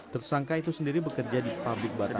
tersangka itu sendiri bekerja di pabrik batik